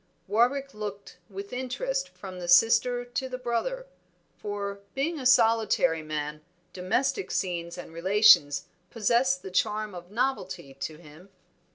Warwick looked with interest from the sister to the brother; for, being a solitary man, domestic scenes and relations possessed the charm of novelty to him.